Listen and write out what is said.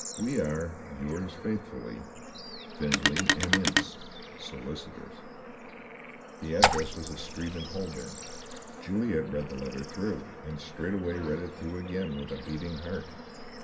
We are, yours faithfully, "FINDLAY & INCE, Solicitors." The address was a street in Holborn. Juliet read the letter through, and straightway read it through again, with a beating heart.